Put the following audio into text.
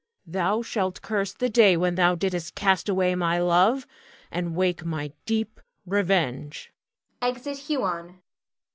Thou shalt curse the day when thou didst cast away my love, and wake my deep revenge. [Exit Huon.